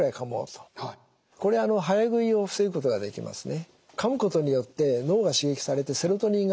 これ早食いを防ぐことができますね。